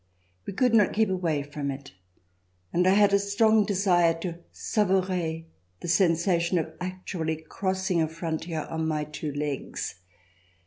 We could not keep away from it. And I had a strong desire to savourer the sensation of actually crossing a frontier on my two legs.